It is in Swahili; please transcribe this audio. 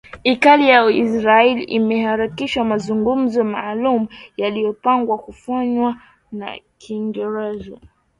ikali ya israel imeahirisha mazungumzo maalum yaliopangwa kufanywa na uingereza